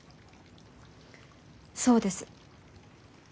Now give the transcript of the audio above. そうです。